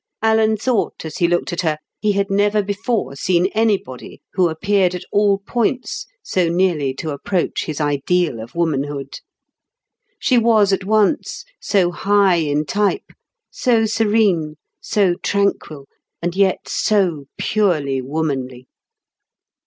Alan thought as he looked at her he had never before seen anybody who appeared at all points so nearly to approach his ideal of womanhood. She was at once so high in type, so serene, so tranquil, and yet so purely womanly.